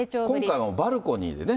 今回のバルコニーでね。